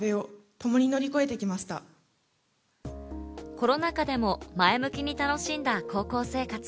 コロナ禍でも前向きに楽しんだ高校生活。